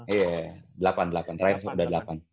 iya delapan terakhir sudah delapan